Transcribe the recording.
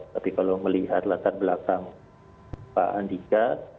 tapi kalau melihat latar belakang pak andika